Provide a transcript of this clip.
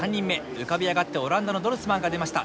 浮かび上がってオランダのドルスマンが出ました。